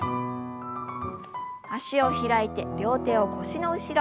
脚を開いて両手を腰の後ろ。